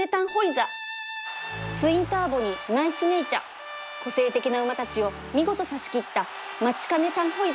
ツインターボにナイスネイチャ個性的な馬たちを見事差し切ったマチカネタンホイザ